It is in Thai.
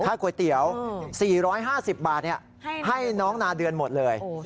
ถ้าก๋วยเตี๋ยว๔๕๐บาทให้น้องนาเดือนหมดเลย